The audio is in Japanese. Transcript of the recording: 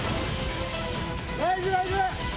大丈夫大丈夫！